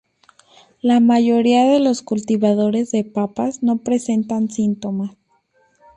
La mayoría de los cultivares de papas no presentan síntomas.